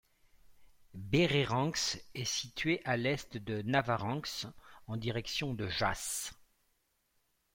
Bérérenx est situé à l'est de Navarrenx, en direction de Jasses.